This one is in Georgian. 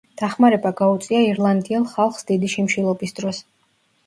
დახმარება გაუწია ირლანდიელ ხალხს დიდი შიმშილობის დროს.